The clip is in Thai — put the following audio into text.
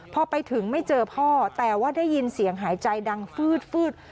พอไปถึงไม่เจอพ่อแต่ว่าได้ยินเสียงหายใจดังฟืด